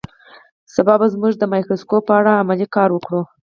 سبا به موږ د مایکروسکوپ په اړه عملي کار وکړو